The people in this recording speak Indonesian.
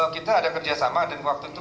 kita ada kerjasama dan waktu itu